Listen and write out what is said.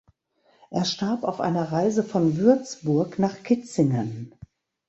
Er starb auf einer Reise von Würzburg nach Kitzingen.